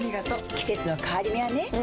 季節の変わり目はねうん。